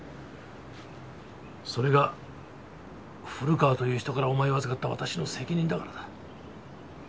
それが古川という人からお前を預かった私の責任だからだ。